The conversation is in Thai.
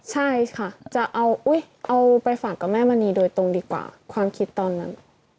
ใช่ค่ะจะเอาไปฝากกับแม่มณีโดยตรงดีกว่าความคิดตอนนั้น